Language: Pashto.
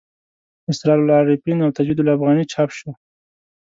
اسرار العارفین او تجوید الافغاني چاپ شو.